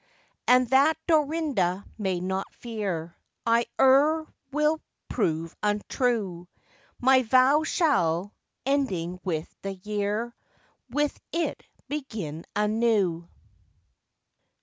And, that Dorinda may not fear I e'er will prove untrue, My vow shall, ending with the year, With it begin anew.